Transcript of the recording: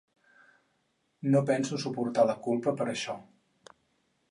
No penso suportar la culpa per això.